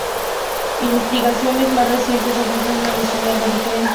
Investigaciones más recientes ofrecen una visión algo diferente.